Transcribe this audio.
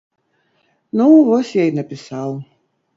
Ну, вось я і напісаў.